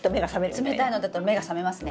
冷たいのだと目が覚めますね。